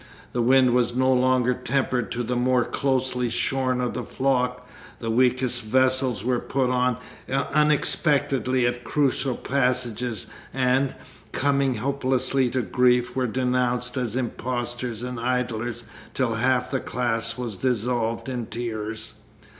The wind was no longer tempered to the more closely shorn of the flock; the weakest vessels were put on unexpectedly at crucial passages, and, coming hopelessly to grief, were denounced as impostors and idlers, till half the class was dissolved in tears.